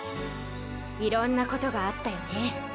いろんなことがあったよね。